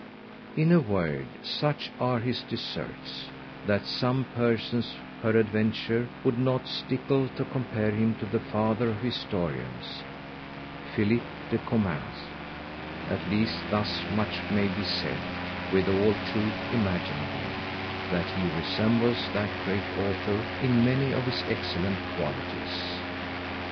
In a word, such are his deserts, that some persons peradventure would not stickle to compare him to the Father of Historians_, Philip de Comines; _at least thus much may be said, with all truth imaginable, that he resembleth that great Author in many of his excellent qualities.